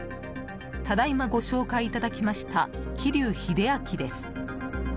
ただいまご紹介いただきました桐生秀昭です。